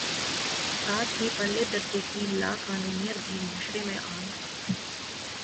ساتھ ہی پرلے درجے کی لا قانونیت بھی معاشرے میں عام ہے۔